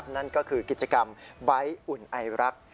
นั่นก็คือกิจกรรมใบ้อุ่นไอรัก